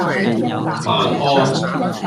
晚安